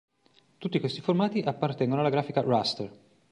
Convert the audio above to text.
Tutti questi formati appartengono alla grafica "raster".